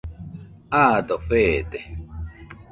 Aado feede.